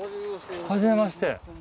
はじめまして。